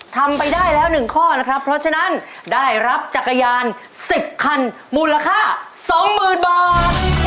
ทำไปได้แล้ว๑ข้อนะครับเพราะฉะนั้นได้รับจักรยาน๑๐คันมูลค่า๒๐๐๐บาท